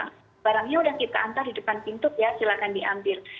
nah barangnya udah kita antar di depan pintu ya silahkan diambil